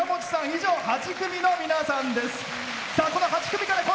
以上、８組の皆さんです。